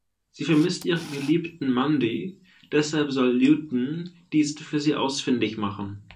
Sie vermisst ihren Geliebten Mundy, deshalb soll Luton diesen für sie ausfindig machen.